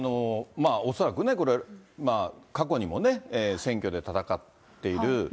恐らくね、これ、過去にも選挙で戦っている。